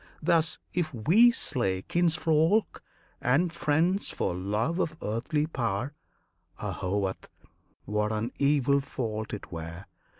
Thus, if we slay Kinsfolk and friends for love of earthly power, Ahovat! what an evil fault it were!